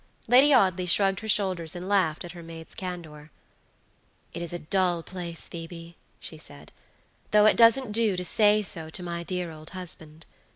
Lady Audley shrugged her shoulders and laughed at her maid's candor. "It is a dull place, Phoebe," she said, "though it doesn't do to say so to my dear old husband.